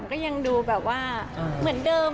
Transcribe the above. ก็ยังดูแบบว่าเหมือนเดิม